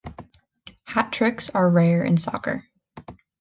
Hat tricks are rare in soccer.